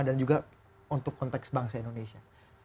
dan juga untuk konteks bangsa indonesia